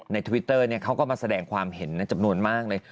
ทวิตเตอร์เขาก็มาแสดงความเห็นจำนวนมากเลย